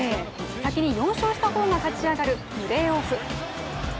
先に４勝した方が勝ち上がるプレーオフ。